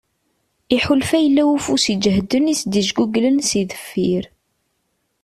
Iḥulfa yella ufus iǧehden i yas-d-ijguglen si deffir.